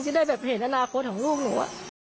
ได้แบบเห็นอนาคตของลูกหนู